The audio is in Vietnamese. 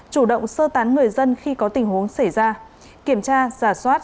chủ động sơ tán người dân khi có tình huống xảy ra kiểm tra giả soát